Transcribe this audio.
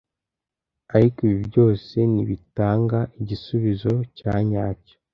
ariko ibi byose ntibitanga igisubizo cya nyacyo